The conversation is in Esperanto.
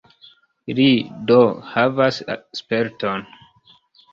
Li, do, havas sperton.